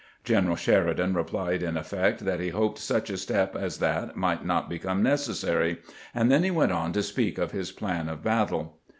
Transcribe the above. General Sheridan replied in effect that he hoped such a step as that might not become necessary, and then went on to speak of his plan of battle.